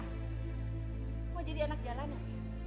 gue jadi anak jalanan